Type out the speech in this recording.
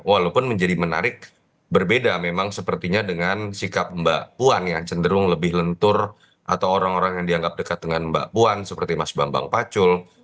walaupun menjadi menarik berbeda memang sepertinya dengan sikap mbak puan yang cenderung lebih lentur atau orang orang yang dianggap dekat dengan mbak puan seperti mas bambang pacul